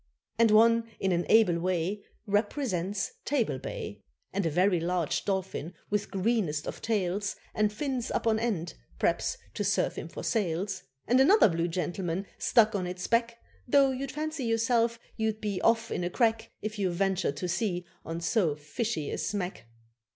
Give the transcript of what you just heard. And one in an able way Represents Table Bay, And a very large dolphin with greenest of tails, And fins up on end, p'r'aps to serve him for sails, And another blue gentleman stuck on its back, Though you'd fancy yourself you'd be off in a crack If you ventured to sea on so fishy a smack.